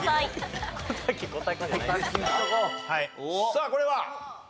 さあこれは？